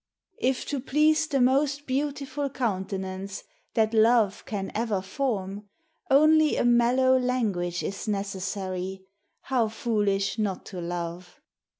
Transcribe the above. If to please the most beautiful countenance That love can ever form, Only a mellow language is necessary, How foolish not to love!